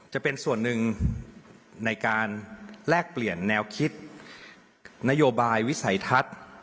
จะเป็นส่วนหนึ่งในการแลกเปลี่ยนแนวคิดนโยบายวิสัยทัศน์